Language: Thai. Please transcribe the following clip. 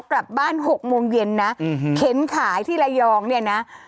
กลับบ้าน๖โมงเย็นนะเข็นขายที่ระยองเนี่ยนะ